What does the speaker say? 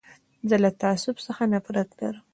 زه له تعصب څخه نفرت لرم.